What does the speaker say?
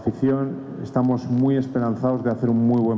kita sangat berharap bisa melakukan pertandingan yang bagus